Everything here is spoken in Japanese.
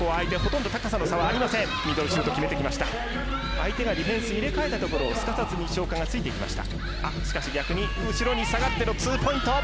相手がディフェンスを入れ替えてきたところをすかさず西岡がついていきました。